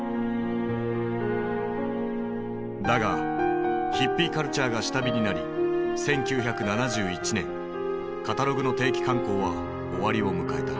だがヒッピーカルチャーが下火になり１９７１年カタログの定期刊行は終わりを迎えた。